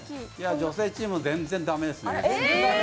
女性チーム、全然駄目ですね。